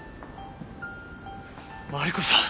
マリコさん。